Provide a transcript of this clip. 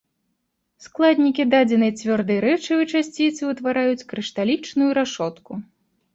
Складнікі дадзенай цвёрдай рэчывы часціцы ўтвараюць крышталічную рашотку.